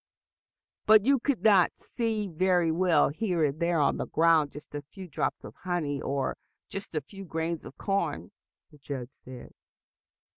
"But you could not see very well here and there on the ground just a few drops of honey or just a few grains of corn?" the judge said.